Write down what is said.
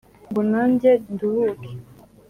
ngo nange nduhuke